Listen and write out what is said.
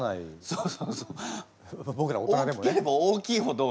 そうそうそう。